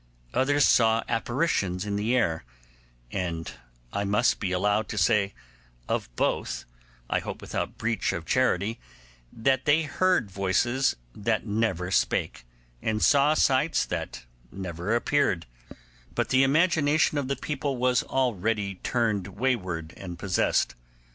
Others saw apparitions in the air; and I must be allowed to say of both, I hope without breach of charity, that they heard voices that never spake, and saw sights that never appeared; but the imagination of the people was really turned wayward and possessed.